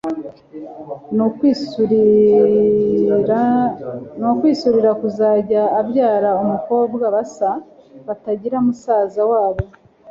ni ukwisurira kuzajya abyara abakobwa basa, batagira musaza wabo